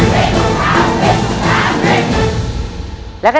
พี่คนผมมีแฟนอยู่แล้วนะ